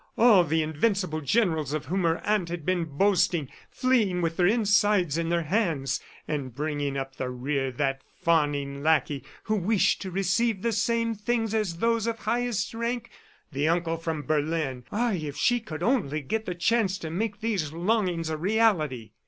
all the invincible generals of whom her aunt had been boasting fleeing with their insides in their hands and bringing up the rear, that fawning lackey who wished to receive the same things as those of highest rank the uncle from Berlin. ... Ay, if she could only get the chance to make these longings a reality!